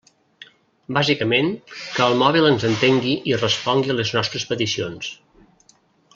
Bàsicament, que el mòbil ens entengui i respongui a les nostres peticions.